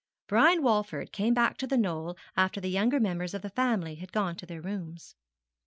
Brian Walford came back to The Knoll after the younger members of the family had gone to their rooms.